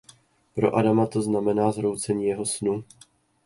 Pro Adama to znamená zhroucení jeho snu.